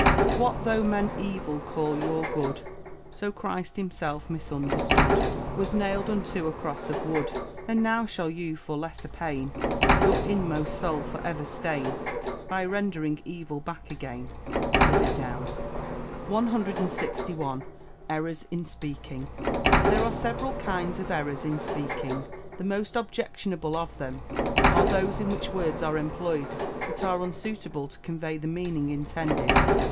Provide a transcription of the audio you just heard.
What though men evil call your good! So CHRIST Himself, misunderstood, Was nailed unto a cross of wood! And now shall you for lesser pain, Your inmost soul for ever stain, By rendering evil back again? Live it down! 161. Errors in Speaking. There are several kinds of errors in speaking. The most objectionable of them are those in which words are employed that are unsuitable to convey the meaning intended.